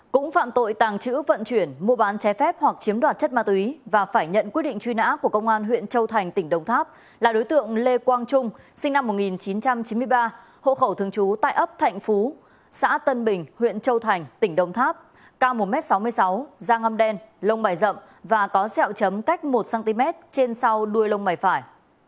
cũng phạm tội tàng trữ vận chuyển mua bán ché phép hoặc chiếm đoạt chất ma túy và phải nhận quyết định truy nã của công an huyện châu thành tỉnh đông tháp là đối tượng lê quang trung sinh năm một nghìn chín trăm chín mươi ba hộ khẩu thường trú tại ấp thạnh phú xã tân bình huyện châu thành tỉnh đông tháp cao một m sáu mươi sáu da ngâm đen lông bài rậm và có xeo chấm cách một cm trên sau đuôi lông bài phải